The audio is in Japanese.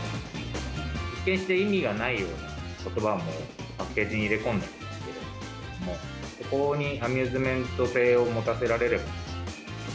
一見して意味がないようなことばもパッケージに入れ込んだりして、そこにアミューズメント性を持たせられれば。